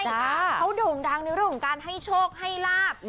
เขาโด่งดังในเรื่องของการให้โชคให้ลาบ